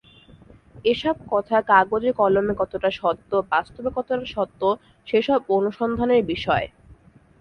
এসব কথা কাগজে কলমে কতটা সত্য, বাস্তবে কতটা সত্য, সেসব অনুসন্ধানের বিষয়।